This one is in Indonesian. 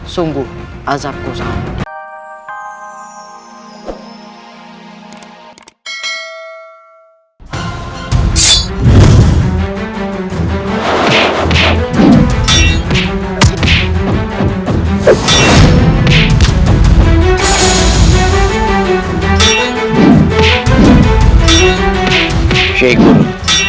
sumbuh azab ku satu